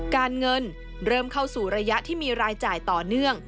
การเงินเริ่มเข้าสู่ระยะที่มีรายจ่ายต่อเนื่อง